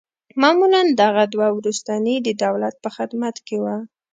معمولاً دغه دوه وروستني د دولت په خدمت کې وه.